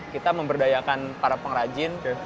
kita memberdayakan para pengrajin